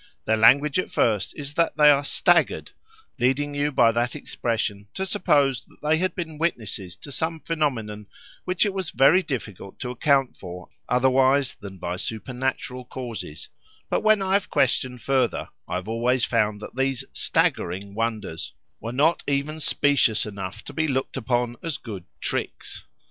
Their language at first is that they are "staggered," leading you by that expression to suppose that they had been witnesses to some phenomenon, which it was very difficult to account for otherwise than by supernatural causes; but when I have questioned further, I have always found that these "staggering" wonders were not even specious enough to be looked upon as good "tricks."